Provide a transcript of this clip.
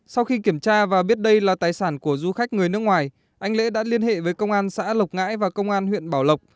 sau khi kiểm tra và biết đây là tài sản của du khách người nước ngoài anh lễ đã liên hệ với công an xã lộc ngãi và công an huyện bảo lộc